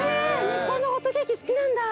日本のホットケーキ好きなんだ。